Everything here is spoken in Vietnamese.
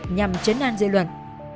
nhằm chấn an dự luận